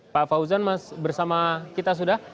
pak fauzan bersama kita sudah